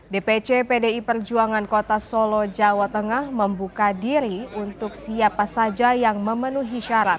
dpc pdi perjuangan kota solo jawa tengah